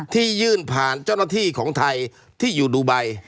ที่ยื่นผ่านเจ้าหน้าที่ของไทยที่อยู่ดูไบ